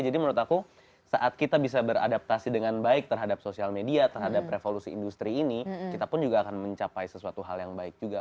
jadi menurut aku saat kita bisa beradaptasi dengan baik terhadap sosial media terhadap revolusi industri ini kita pun juga akan mencapai sesuatu hal yang baik juga